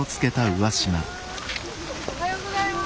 おはようございます。